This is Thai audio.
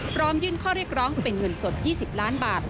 พร้อมยื่นข้อเรียกร้องเป็นเงินสด๒๐ล้านบาท